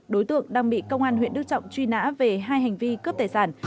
đối tượng đang bị công an huyện đức trọng truy nã về hai hành vi cướp tài sản